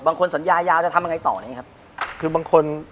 บางคนสัญญายาวจะทำแรงไงต่อ